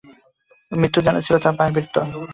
মৃত্যু যেন ছিল তাঁর পায়ের ভৃত্য।